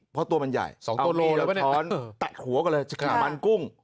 เพราะตัวมันใหญ่เอามีดแล้วช้อนตัดหวกันเลยมันกุ้ง